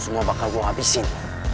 semua bakal gue habisin